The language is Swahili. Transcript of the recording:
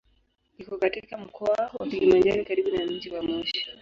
Iko katika Mkoa wa Kilimanjaro karibu na mji wa Moshi.